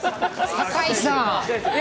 酒井さん！